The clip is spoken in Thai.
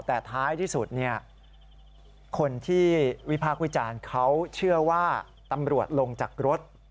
แต่ท้ายที่สุดคนที่วิพากษ์วิจารณ์เขาเชื่อว่าตำรวจลงจากรถ